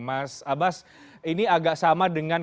mas abbas ini agak sama dengan